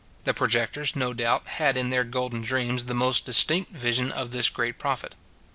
The projectors, no doubt, had in their golden dreams the most distinct vision of this great profit.